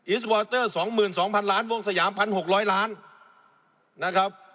สวอเตอร์๒๒๐๐๐ล้านวงสยาม๑๖๐๐ล้านนะครับ